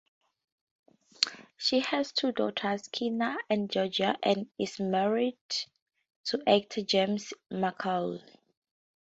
She has two daughters, Kenna and Georgia, and is married to actor James McCauley.